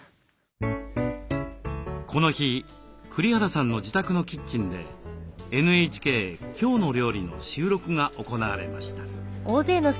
この日栗原さんの自宅のキッチンでＮＨＫ「きょうの料理」の収録が行われました。